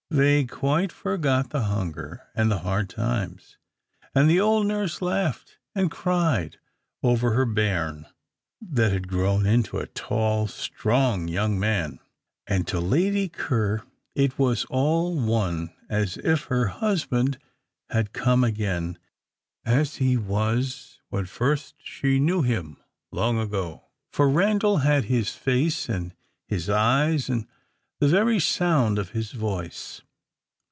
They quite forgot the hunger and the hard times, and the old nurse laughed and cried over her bairn that had grown into a tall, strong young man. And to Lady Ker it was all one as if her husband had come again, as he was when first she knew him long ago; for Randal had his face, and his eyes, and the very sound of his voice.